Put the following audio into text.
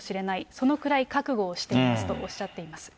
そのくらい覚悟をしていますとおっしゃっています。